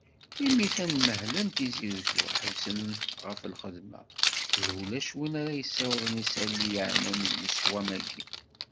Imi tanmehla n Tizi Uzzu, ḥebsen ɣef lxedma, ihi ulac wid ara yessiwḍen isali yeɛnan leswam-agi.